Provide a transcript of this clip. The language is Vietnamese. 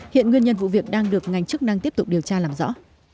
hiện nguyên nhân vụ việc đang được ngành chức năng tiếp tục điều tra làm rõ